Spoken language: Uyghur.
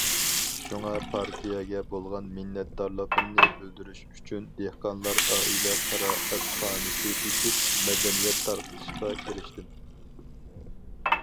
شۇڭا پارتىيەگە بولغان مىننەتدارلىقىمنى بىلدۈرۈش ئۈچۈن دېھقانلار ئائىلە قىرائەتخانىسى ئېچىپ مەدەنىيەت تارقىتىشقا كىرىشتىم.